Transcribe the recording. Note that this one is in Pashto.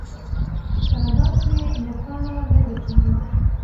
که نبات وي نو پاڼه نه ورکیږي.